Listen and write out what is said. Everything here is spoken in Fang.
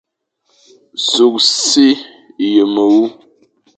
Sukh si ye mewur,